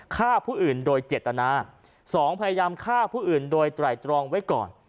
ฆ่าผู้อื่นโดยเจตนา๒พยายามฆ่าผู้อื่นโดยไตรตรองไว้ก่อน